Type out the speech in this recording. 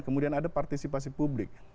kemudian ada partisipasi publik